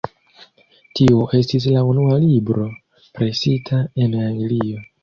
Tio estis la unua libro presita en Anglio.